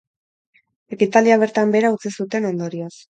Ekitaldia bertan behera utzi zuten, ondorioz.